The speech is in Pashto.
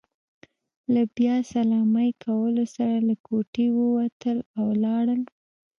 له بیا سلامۍ کولو سره له کوټې ووتل، او لاړل.